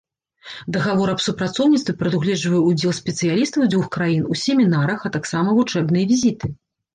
Дагавор аб супрацоўніцтве прадугледжвае ўдзел спецыялістаў дзвюх краін у семінарах, а таксама вучэбныя візіты.